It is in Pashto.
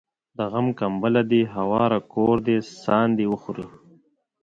د غم کمبله دي هواره کور دي ساندي وخوري